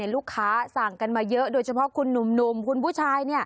ลูกค้าสั่งกันมาเยอะโดยเฉพาะคุณหนุ่มคุณผู้ชาย